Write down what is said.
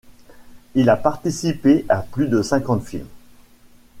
Il a participé à plus de cinquante films.